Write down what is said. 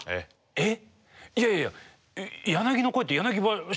えっ？